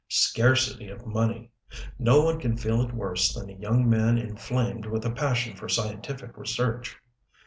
Scarcity of money no one can feel it worse than a young man inflamed with a passion for scientific research!